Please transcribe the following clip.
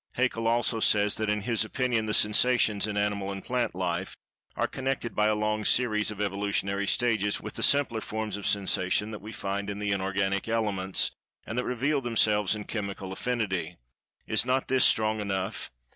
Haeckel also says that in his opinion the sensations in animal and plant life are "connected by a long series of evolutionary stages with the simpler forms of sensation that we find in the inorganic elements, and that reveal themselves in chemical affinity." Is not this strong enough?